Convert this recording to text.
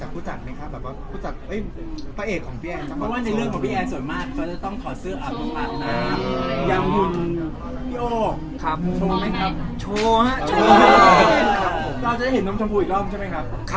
คือในเรื่องของพี่แอมสวยมาก